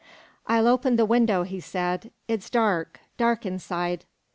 "I'll open the window," he said. "It's dark dark inside."